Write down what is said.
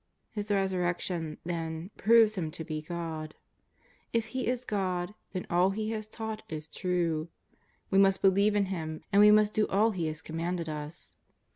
His Resurrection, then, proves Him to be God. If He is God, then all He has taught is true. We must believe in Him and we must do all He has conmianded us.